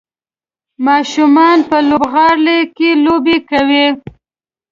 ماشومان په لوبغالي کې لوبې کوي.